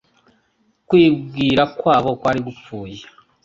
Kwibwira kwabo kwari Gupfuye.